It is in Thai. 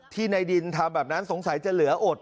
ในดินทำแบบนั้นสงสัยจะเหลืออด